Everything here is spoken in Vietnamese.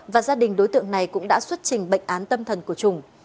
và gia đình đối tượng này cũng đã xuất trình bệnh án tâm thần của chủng